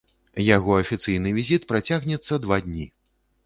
Яго афіцыйны візіт працягнецца два дні.